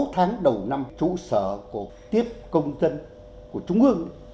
sáu tháng đầu năm trụ sở của tiếp công dân của trung ương